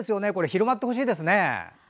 広がってほしいですよね。